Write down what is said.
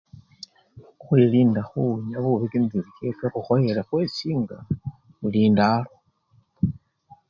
Khukhwilinda khuwunya bubi kimibili kyefwe khukhoyele khwesinga bulindalo.